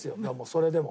それでも。